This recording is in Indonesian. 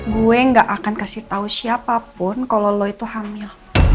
gue gak akan kasih tahu siapapun kalau lo itu hamil